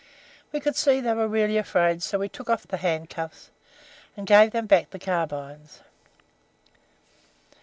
We could see they were really afraid, so we took off the handcuffs and gave them back the carbines.